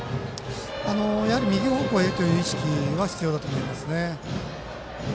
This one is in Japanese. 右方向へという意識は必要だと思います。